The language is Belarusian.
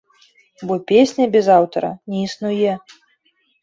Бо песня без аўтара не існуе!